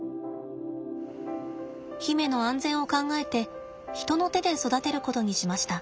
媛の安全を考えて人の手で育てることにしました。